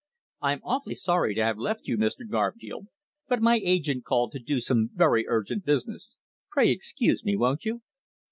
"I'm awfully sorry to have left you, Mr. Garfield, but my agent called to do some very urgent business. Pray excuse me, won't you?"